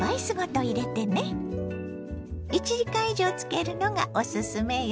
１時間以上漬けるのがおすすめよ。